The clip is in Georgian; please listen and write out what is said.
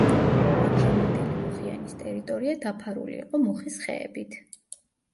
ამჟამინდელი მუხიანის ტერიტორია დაფარული იყო მუხის ხეებით.